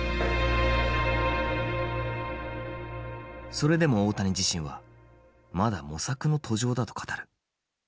それでも大谷自身はまだ模索の途上だと語る。